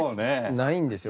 ないんですよ。